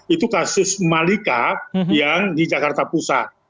itu kasus malika yang di jakarta pusat